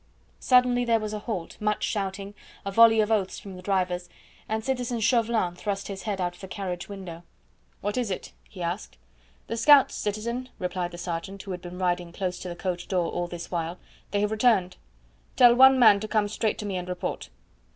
Suddenly there was a halt, much shouting, a volley of oaths from the drivers, and citizen Chauvelin thrust his head out of the carriage window. "What is it?" he asked. "The scouts, citizen," replied the sergeant, who had been riding close to the coach door all this while; "they have returned." "Tell one man to come straight to me and report."